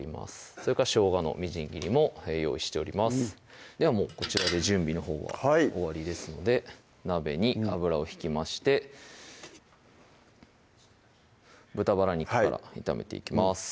それからしょうがのみじん切りも用意しておりますではこちらで準備のほうは終わりですので鍋に油を引きまして豚バラ肉から炒めていきます